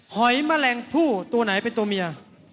หอยแมลงผู้ตัวไหนเป็นตัวเมีย